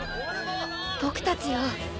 僕たちを。